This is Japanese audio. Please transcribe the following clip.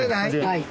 はい。